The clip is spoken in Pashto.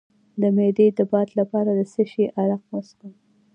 د معدې د باد لپاره د څه شي عرق وڅښم؟